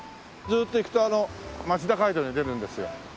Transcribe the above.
ずーっと行くと町田街道に出るんですよ。